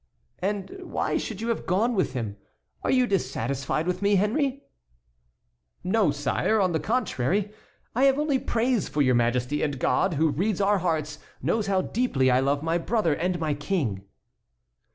"And why should you have gone with him? Are you dissatisfied with me, Henry?" "No, sire; on the contrary, I have only praise for your majesty; and God, who reads our hearts, knows how deeply I love my brother and my King."